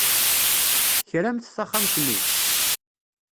Tekramt taxxamt-nni?